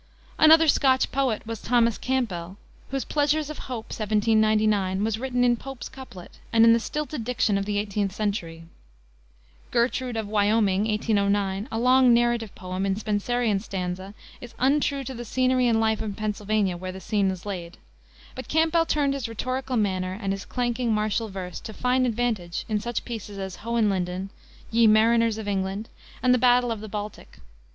Another Scotch poet was Thomas Campbell, whose Pleasures of Hope, 1799, was written in Pope's couplet, and in the stilted diction of the eighteenth century. Gertrude of Wyoming, 1809, a long narrative poem in Spenserian stanza, is untrue to the scenery and life of Pennsylvania, where its scene is laid. But Campbell turned his rhetorical manner and his clanking, martial verse to fine advantage in such pieces as Hohenlinden, Ye Mariners of England, and the Battle of the Baltic.